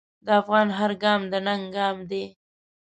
د افغان هر ګام د ننګ ګام دی.